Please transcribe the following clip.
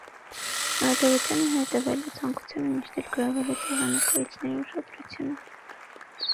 Նորաձևությանը հետևելու ցանկությունը միշտ էլ գրավել է ծաղրանկարիչների ուշադրությունը։